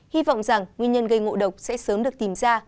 hy vọng rằng nguyên nhân gây ngộ độc sẽ sớm được tìm ra